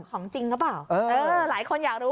ของจริงหรือเปล่าหลายคนอยากรู้